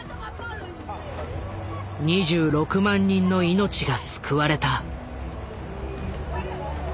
２６万人の命が救われた。